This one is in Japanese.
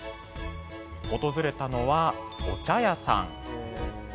訪れたのはお茶屋さん。